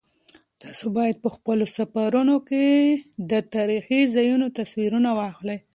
تاسو باید په خپلو سفرونو کې د تاریخي ځایونو تصویرونه واخلئ.